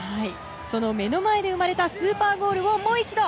その目の前で生まれたスーパーゴールをもう一度。